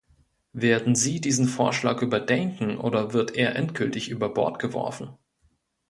Werden Sie diesen Vorschlag überdenken oder wird er endgültig über Bord geworfen?